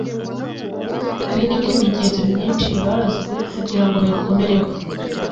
Hari n’ indi migenzo myinshi barazwe kugira ngo bayikomereho